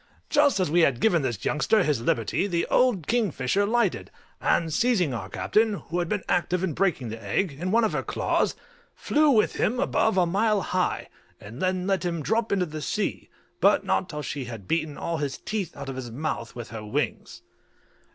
Just as we had given this youngster his liberty the old kingfisher lighted, and seizing our captain, who had been active in breaking the egg, in one of her claws, flew with him above a mile high, and then let him drop into the sea, but not till she had beaten all his teeth out of his mouth with her wings.